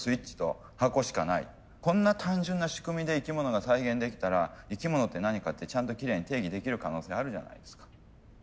こんな単純な仕組みで生き物が再現できたら生き物って何かってちゃんときれいに定義できる可能性あるじゃないですか。